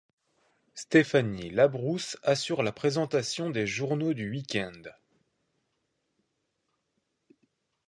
Stéphanie Labrousse assure la présentation des journaux du week-end.